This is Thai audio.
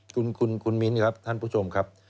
คุณคุณมิ้นครับท่านผู้ชมครับ